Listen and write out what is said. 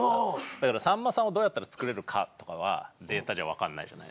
だけどさんまさんをどうやったらつくれるかとかはデータじゃ分かんないじゃないですか。